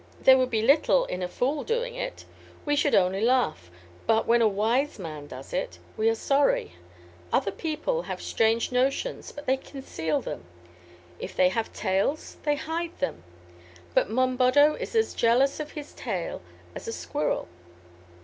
There would be little in a fool doing it; we should only laugh; but, when a wise man does it, we are sorry. Other people have strange notions, but they conceal them. If they have tails they hide them; but Monboddo is as jealous of his tail as a squirrel."